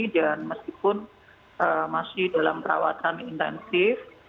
dan meskipun masih dalam perawatan intensif